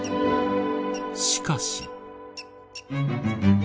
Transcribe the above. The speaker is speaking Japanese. しかし。